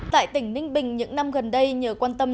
tại tỉnh ninh bình những năm gần đây nhờ quan tâm